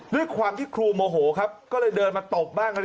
ด้วยความที่ครูโมโหครับก็เลยเดินมาตบบ้างคราวนี้